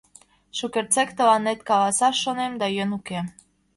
Шукертсек тыланет каласаш шонем, да йӧн уке.